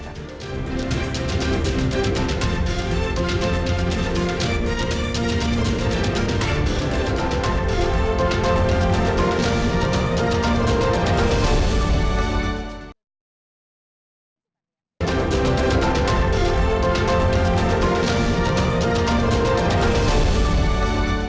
kampanye damai demokrasi